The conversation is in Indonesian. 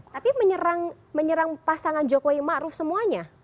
tapi menyerang pasangan jokowi ma'ruf semuanya